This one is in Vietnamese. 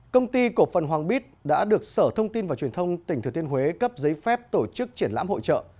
công ty cổ phần hoàng bít đã được sở thông tin và truyền thông tỉnh thừa thiên huế cấp giấy phép tổ chức triển lãm hội trợ